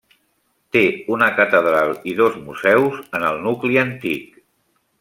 Té una catedral i dos museus en el nucli antic.